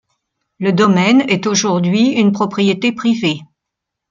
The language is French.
Le domaine est aujourd'hui une propriété privée.